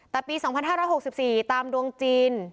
แต่ปี๒๕๖๔ตามดวงจีน